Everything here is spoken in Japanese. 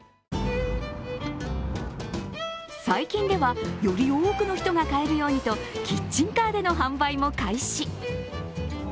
最近では、より多くの人が買えるようにとキッチンカーでも販売も開始。